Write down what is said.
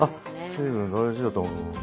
水分大事だと思います